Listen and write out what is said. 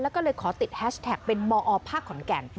แล้วก็เลยขอติดแฮชแท็กเป็นมอภาคขอนแก่น